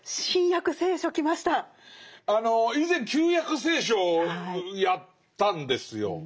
あの以前「旧約聖書」やったんですよ。